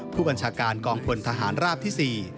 ผู้บัญชาการกองพลทหารราบที่๔